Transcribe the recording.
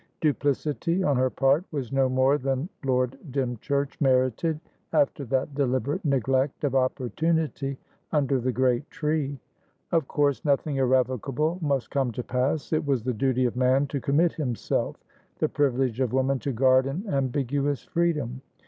Duplicity on her part was no more than Lord Dymchurch merited after that deliberate neglect of opportunity under the great tree. Of course nothing irrevocable must come to pass; it was the duty of man to commit himself, the privilege of woman to guard an ambiguous freedom.